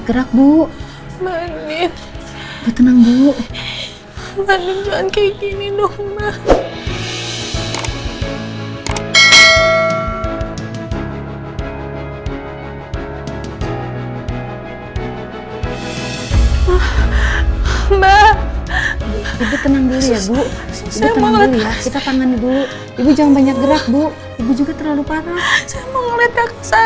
kamu pernah dikenal saya angkat dulu sebentar ya